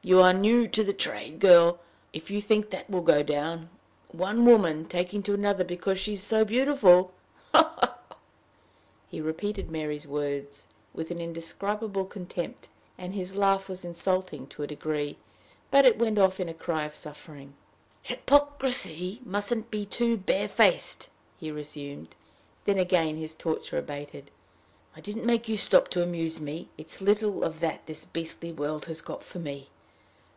You are new to the trade, my girl, if you think that will go down! One woman taking to another because 'she's so beautiful'! Ha! ha! ha!" He repeated Mary's words with an indescribable contempt, and his laugh was insulting to a degree; but it went off in a cry of suffering. "Hypocrisy mustn't be too barefaced," he resumed, when again his torture abated. "I didn't make you stop to amuse me! It's little of that this beastly world has got for me!